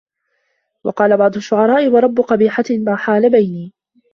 وَقَالَ بَعْضُ الشُّعَرَاءِ وَرُبَّ قَبِيحَةٍ مَا حَالَ بَيْنِي